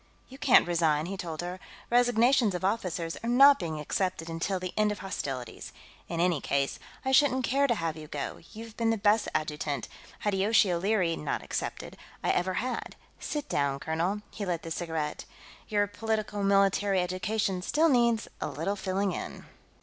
"You can't resign," he told her. "Resignations of officers are not being accepted until the end of hostilities. In any case, I shouldn't care to have you go; you're the best adjutant, Hideyoshi O'Leary not excepted, I ever had. Sit down, colonel." He lit the cigarette. "Your politico military education still needs a little filling in.